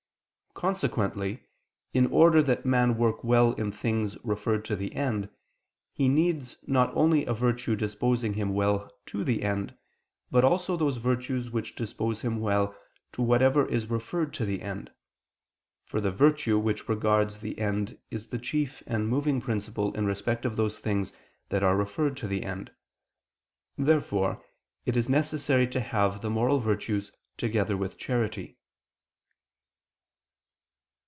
Consequently, in order that man work well in things referred to the end, he needs not only a virtue disposing him well to the end, but also those virtues which dispose him well to whatever is referred to the end: for the virtue which regards the end is the chief and moving principle in respect of those things that are referred to the end. Therefore it is necessary to have the moral virtues together with charity.